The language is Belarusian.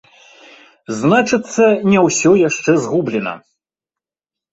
Значыцца, не ўсё яшчэ згублена!